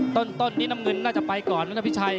ต้นนี้น้ำเงินน่าจะไปก่อนนะพี่ชัย